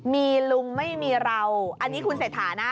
มีลุงไม่มีเราอันนี้คุณเศรษฐานะ